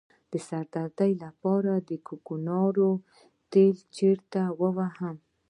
د سر درد لپاره د کوکنارو تېل چیرته ووهم؟